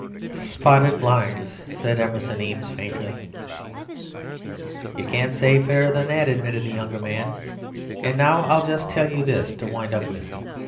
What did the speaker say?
"'Spotted blinds,' said Emerson Eames faintly. "'You can't say fairer than that,' admitted the younger man, 'and now I'll just tell you this to wind up with.